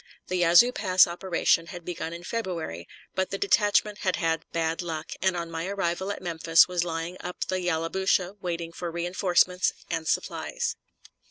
The Yazoo Pass operation had begun in February, but the detachment had had bad luck, and on my arrival at Memphis was lying up the Yallabusha waiting for re enforcements and supplies.